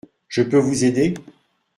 Je peux vous aider ?